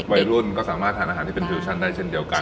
วัยรุ่นก็สามารถทานอาหารที่เป็นฟิวชั่นได้เช่นเดียวกัน